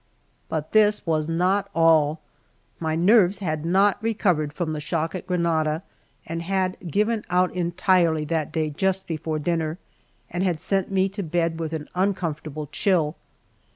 But this was not all! My nerves had not recovered from the shock at Granada, and had given out entirely that day just before dinner, and had sent me to bed with an uncomfortable chill.